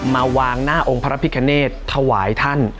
มาวางหน้าองค์พระพิคเนธถวายท่าน